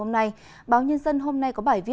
mời quý vị